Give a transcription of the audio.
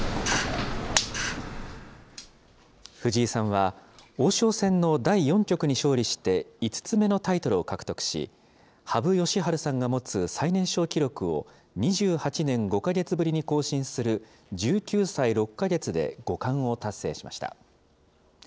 藤井さんは王将戦の第４局に勝利して、５つ目のタイトルを獲得し、羽生善治さんが持つ最年少記録を２８年５か月ぶりに更新する１９歳６か月で五冠を達成しました。